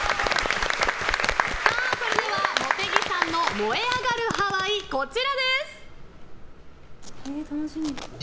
それでは、茂木さんの燃えあがるハワイこちらです。